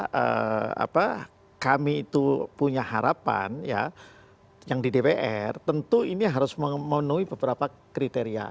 karena kami itu punya harapan ya yang di dpr tentu ini harus memenuhi beberapa kriteria